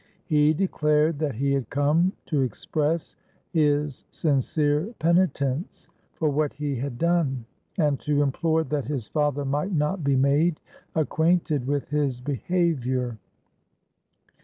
He declared that he had come to express his sincere penitence for what he had done, and to implore that his father might not be made acquainted with his behaviour.